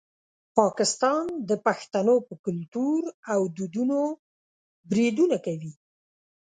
پاکستان د پښتنو په کلتور او دودونو بریدونه کوي.